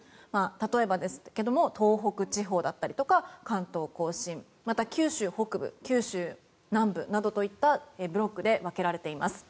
例えば、東北地方だったりとか関東・甲信また九州北部九州南部などといったブロックで分けられています。